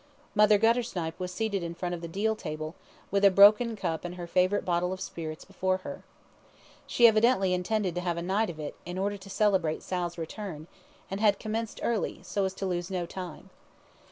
Mother Guttersnipe was seated in front of the deal table, with a broken cup and her favourite bottle of spirits before her. She evidently intended to have a night of it, in order to celebrate Sal's return, and had commenced early, so as to lose no time.